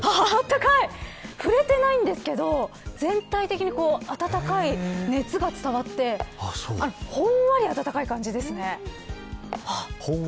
触れてないんですけど全体的に暖かい熱が伝わってほんわり暖かい感じですね。